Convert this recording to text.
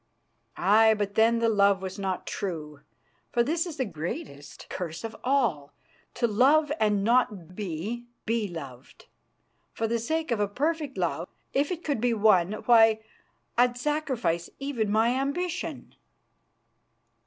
"Aye, but then the love was not true, for this is the greatest curse of all to love and not to be beloved. For the sake of a perfect love, if it could be won why, I'd sacrifice even my ambition."